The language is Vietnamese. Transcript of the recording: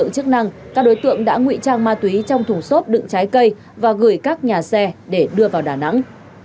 các đối tượng đã ngụy trang ma túy trong thùng xốp đựng trái cây và gửi các nhà xe để đưa vào đà nẵng